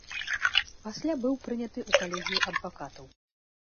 Пасля быў прыняты ў калегію адвакатаў.